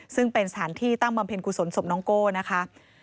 ซึ่งเป็นสถานที่ตั้งบำเพ็ญกุศลศพน้องโก้นะคะ